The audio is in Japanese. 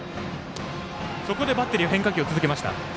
そこでバッテリーは変化球を続けました。